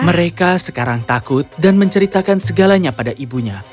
mereka sekarang takut dan menceritakan segalanya pada ibunya